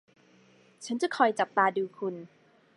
ฉันจะคอยจับตาดูคุณ